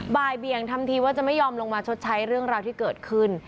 บ่ายเบียงทำทีว่าจะไม่ยอมลงมาชดใช้เรื่องราวที่เกิดขึ้น